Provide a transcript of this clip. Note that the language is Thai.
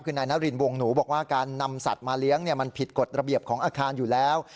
คือนายนารินวงหนูบอกว่าการนำสัตว์มาเลี้ยงมันผิดกฎระเบียบของอาคารอยู่แล้ว